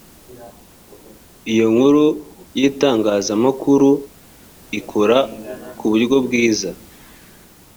iyo nkuru y itangazamakuru ikora ku buryo bwiza